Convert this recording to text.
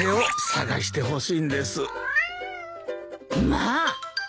まあ！